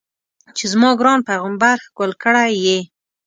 چې زما ګران پیغمبر ښکل کړی یې.